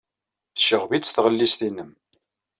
Tecɣeb-itt tɣellist-nnem.